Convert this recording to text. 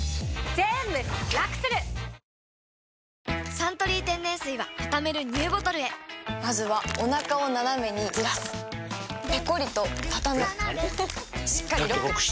「サントリー天然水」はたためるＮＥＷボトルへまずはおなかをナナメにずらすペコリ！とたたむしっかりロック！